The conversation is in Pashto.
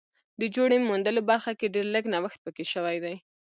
د جوړې موندلو برخه کې ډېر لږ نوښت پکې شوی دی